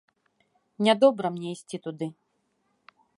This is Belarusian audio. Нядобра мне ісці туды.